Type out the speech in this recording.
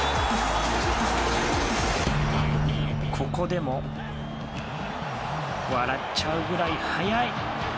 ここでも笑っちゃうぐらい速い。